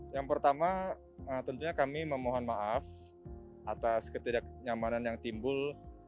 yang pertama tentunya kami memohon maaf atas ketidaknyamanan yang timbul